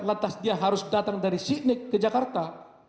lantas dia harus datang dari sydneq ke jakarta